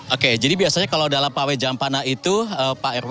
oke jadi biasanya kalau dalam pawai jampana itu pak rw